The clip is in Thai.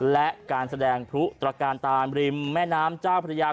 และการแสดงพลุตรการตามริมแม่น้ำเจ้าพระยา